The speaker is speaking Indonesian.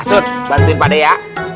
asud bantuin pak de ya